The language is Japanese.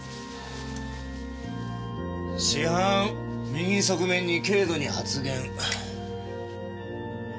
死斑右側面に軽度に発現。